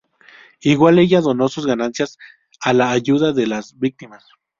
Igual ella donó sus ganancias a la ayuda de las víctimas.